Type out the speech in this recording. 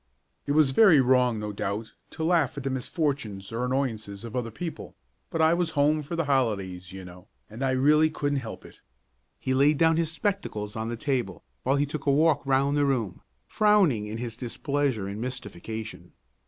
It was very wrong, no doubt, to laugh at the misfortunes or annoyances of other people, but I was home for the holidays, you know, and I really couldn't help it. He laid down his spectacles on the table, while he took a walk round the room, frowning in his displeasure and mystification.